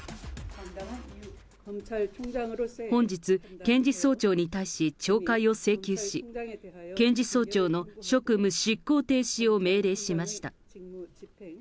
本日、検事総長に対し懲戒を請求し、検事総長の職務執行停止を命令しました。